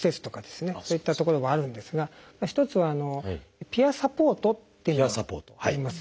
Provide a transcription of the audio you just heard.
そういった所はあるんですが一つはピアサポートっていうのがあります。